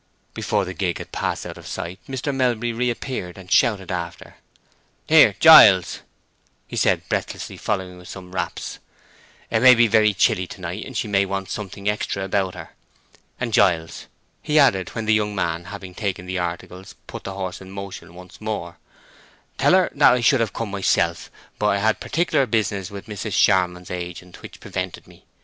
Before the gig had passed out of sight, Mr. Melbury reappeared and shouted after— "Here, Giles," he said, breathlessly following with some wraps, "it may be very chilly to night, and she may want something extra about her. And, Giles," he added, when the young man, having taken the articles, put the horse in motion once more, "tell her that I should have come myself, but I had particular business with Mrs. Charmond's agent, which prevented me.